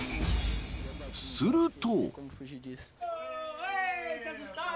すると。